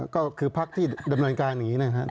ก็คือพักที่ดำเนินการอย่างนี้นะครับ